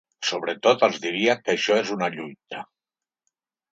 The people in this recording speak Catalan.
Sobretot els diria que això és una lluita.